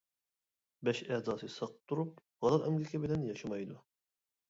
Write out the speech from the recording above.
بەش ئەزاسى ساق تۇرۇپ ھالال ئەمگىكى بىلەن ياشىمايدۇ.